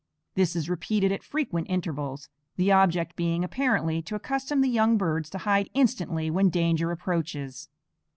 This is repeated at frequent intervals, the object being, apparently, to accustom the young birds to hide instantly when danger approaches.